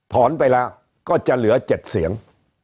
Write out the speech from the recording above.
ไปแล้วก็จะเหลือ๗เสียง